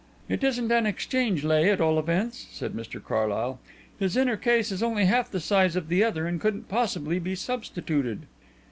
"It isn't an exchange lay, at all events," said Mr Carlyle. "His inner case is only half the size of the other and couldn't possibly be substituted."